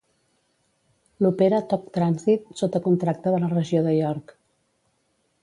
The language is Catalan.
L'opera Tok Transit sota contracte de la regió de York.